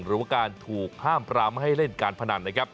หรือว่าการถูกห้ามพร้อมให้เล่นการพนัน